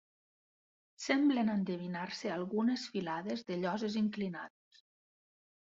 Semblen endevinar-se algunes filades de lloses inclinades.